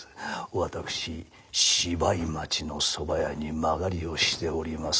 私芝居町のそば屋に間借りをしております